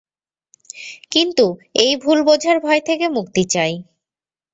কিন্তু, এই ভুল-বোঝার ভয় থেকে মুক্তি চাই।